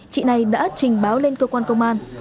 chị này đã trình báo lên cơ quan công an